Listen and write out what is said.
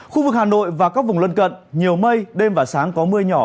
khu vực hà nội và các vùng lân cận nhiều mây đêm và sáng có mưa nhỏ